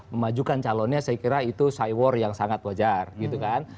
memajukan calonnya saya kira itu cy war yang sangat wajar gitu kan